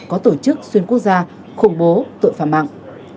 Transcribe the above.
có tổ chức xuyên quốc gia khủng bố tội phạm mạng